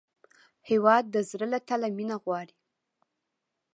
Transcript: هېواد د زړه له تله مینه غواړي.